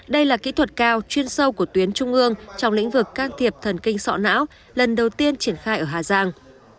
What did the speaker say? đây là kỹ thuật cao chuyên sâu của tuyến trung ương trong lĩnh vực can thiệp thần kinh sọ não lần đầu tiên triển khai ở hà giang